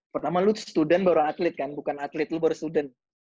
pertama lu student baru athlete kan bukan athlete lu baru student